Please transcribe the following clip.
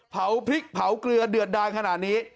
เผาพริกเผาเกลือเดือดดายขนาดนี้